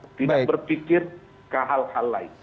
tidak berpikir ke hal hal lain